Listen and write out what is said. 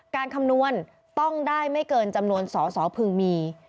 คำนวณต้องได้ไม่เกินจำนวนสอสอพึงมี